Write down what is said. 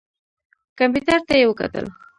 کمپیوټر ته یې وکتل.